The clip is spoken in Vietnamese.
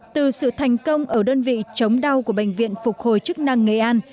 từ sự thành công ở đơn vị chống đau của bệnh viện phục hồi chức năng nghệ an